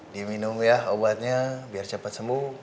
dia minum ya obatnya biar cepat sembuh